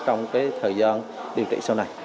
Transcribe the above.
trong cái thời gian điều trị sau này